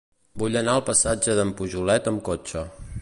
Vull anar al passatge d'en Pujolet amb cotxe.